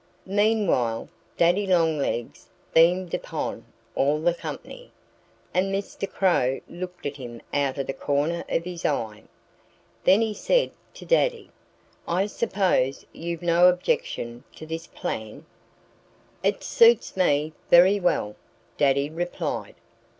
Meanwhile Daddy Longlegs beamed upon all the company. And Mr. Crow looked at him out of the corner of his eye. Then he said to Daddy, "I suppose you've no objection to this plan?" "It suits me very well," Daddy replied.